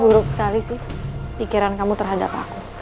buruk sekali sih pikiran kamu terhadap aku